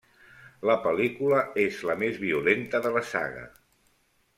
La pel·lícula és la més violenta de la saga.